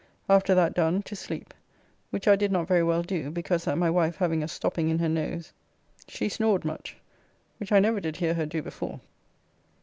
After that done to sleep, which I did not very well do, because that my wife having a stopping in her nose she snored much, which I never did hear her do before.